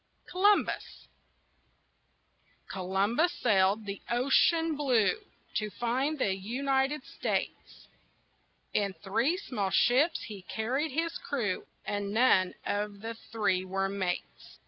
COLUMBUS Columbus sailed over the ocean blue To find the United States. In three small ships he carried his crew, And none of the three were mates.